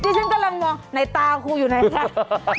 อันนี้ฉันกำลังมองในตาคุณอยู่ไหนคะ